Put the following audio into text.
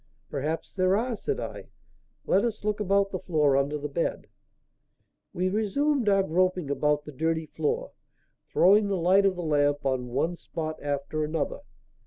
"Perhaps there are," said I. "Let us look about the floor under the bed." We resumed our groping about the dirty floor, throwing the light of the lamp on one spot after another.